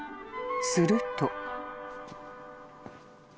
［すると］